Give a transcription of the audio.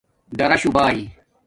ڈاراشݸ بائ